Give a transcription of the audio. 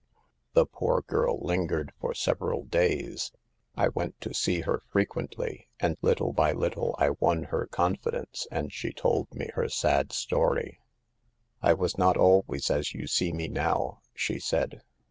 " The poor girl lingered for several days. I went to see her frequently, and little by little K 7 146 SAVE THE GIBLS. I won her confidence, and she told me her sad story. " 4 1 was not always as you see me now,' she said.